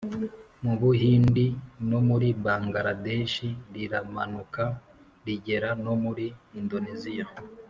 mu buhindi no muri bangaladeshi, riramanuka rigera no muri indoneziya.